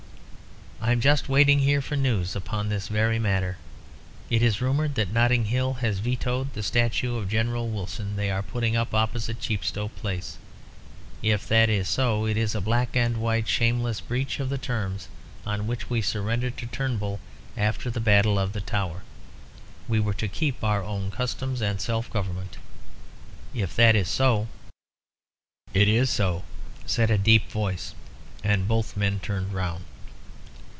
I am just waiting here for news upon this very matter. It is rumoured that Notting Hill has vetoed the statue of General Wilson they are putting up opposite Chepstow Place. If that is so, it is a black and white shameless breach of the terms on which we surrendered to Turnbull after the battle of the Tower. We were to keep our own customs and self government. If that is so " "It is so," said a deep voice; and both men turned round.